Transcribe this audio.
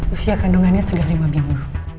usia kandungannya sudah lima puluh